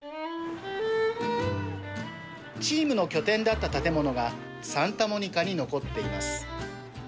チームの拠点だった建物がサンタモニカに残っています。